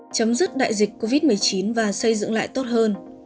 chấm dứt đại dịch covid một mươi chín và xây dựng lại tốt hơn